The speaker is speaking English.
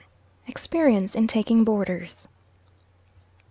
EXPERIENCE IN TAKING BOARDERS.